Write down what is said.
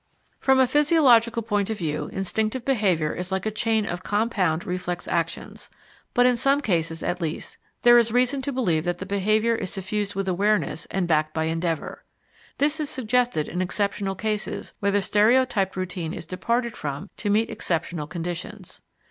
From a physiological point of view instinctive behaviour is like a chain of compound reflex actions, but in some cases, at least, there is reason to believe that the behaviour is suffused with awareness and backed by endeavour. This is suggested in exceptional cases where the stereotyped routine is departed from to meet exceptional conditions.